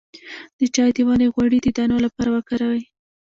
د چای د ونې غوړي د دانو لپاره وکاروئ